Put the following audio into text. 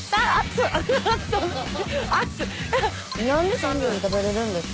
何で３秒で食べれるんですか？